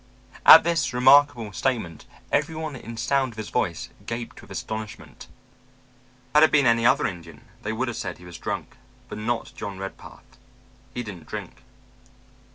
At this remarkable statement, everyone in sound of his voice gaped with astonishment. Had it been any other Indian they would have said he was drunk but not John Redpath. He didn't drink.